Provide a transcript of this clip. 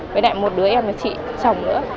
với lại một đứa em là chị chồng nữa